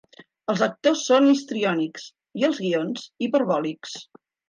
Els actors són histriònics i els guions hiperbòlics.